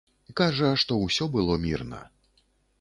Кажа, што ўсё было мірна.